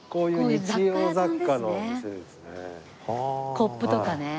コップとかね。